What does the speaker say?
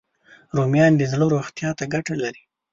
رومیان د زړه روغتیا ته ګټه لري